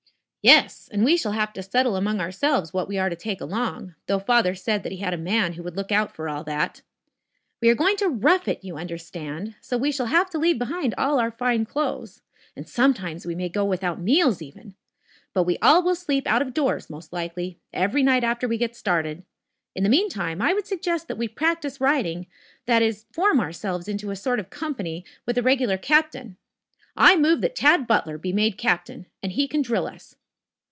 "Yes, and we shall have to settle among ourselves what we are to take along, though father said he had a man who would look out for all that. We are going to rough it, you understand, so we shall have to leave behind all our fine clothes. And sometimes we may go without meals, even. But we all will sleep out of doors, most likely, every night after we get started. In the meantime, I would suggest that we practice riding that is, form ourselves into a sort of company with a regular captain. I move that Tad Butler be made captain, and he can drill us."